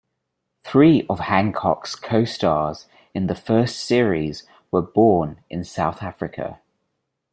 Three of Hancock's co-stars in the first series were born in South Africa.